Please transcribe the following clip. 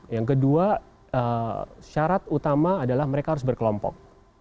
yang kedua syarat utama adalah mereka harus berkelompok